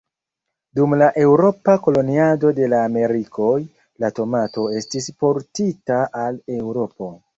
Dum la eŭropa koloniado de la Amerikoj, la tomato estis portita al Eŭropo.